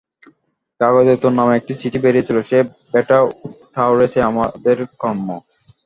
কাগজে তার নামে একটা চিঠি বেরিয়েছিল, সে বেটা ঠাউরেছে আমারই কর্ম।